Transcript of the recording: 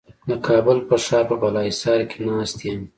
د کابل په ښار په بالاحصار کې ناست یم.